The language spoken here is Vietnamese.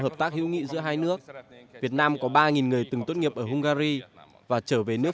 hợp tác hữu nghị giữa hai nước việt nam có ba người từng tốt nghiệp ở hungary và trở về nước